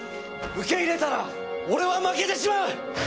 受け入れたら俺は負けてしまう！